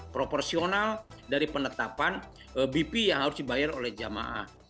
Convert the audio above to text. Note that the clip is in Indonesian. proporsional dari penetapan bp yang harus dibayar oleh jamaah